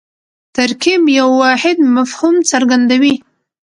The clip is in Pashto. ترکیب یو واحد مفهوم څرګندوي.